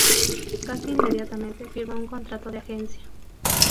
Casi inmediatamente, firmó un contrato de agencia.